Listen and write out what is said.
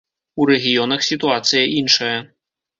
У рэгіёнах сітуацыя іншая.